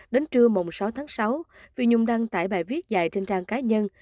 đến trưa mộng sáu tháng sáu phi nhung đăng tải bài viết dài trên trang cá nhân